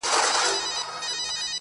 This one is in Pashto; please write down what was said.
د سترګو کي ستا د مخ سُرخي ده.